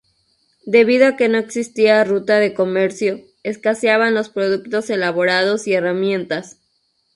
Debido a que no existía ruta de comercio, escaseaban los productos elaborados y herramientas.